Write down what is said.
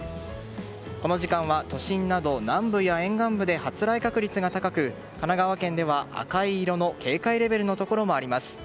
この時間は都心など南部や沿岸部で発雷確率が高く、神奈川県では赤い色の警戒レベルのところもあります。